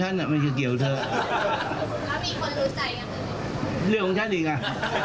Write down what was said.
และมีคนรู้ใจกัน